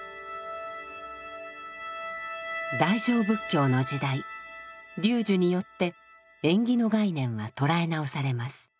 大乗仏教の時代龍樹によって縁起の概念は捉え直されます。